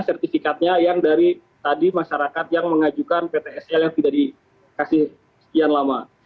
sertifikatnya yang dari tadi masyarakat yang mengajukan ptsl yang tidak dikasih sekian lama